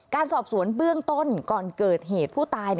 การสอบสวนเบื้องต้นก่อนเกิดเหตุผู้ตาย